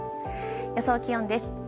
予想気温です。